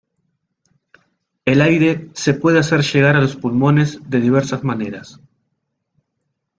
El aire se puede hacer llegar a los pulmones de diversas maneras.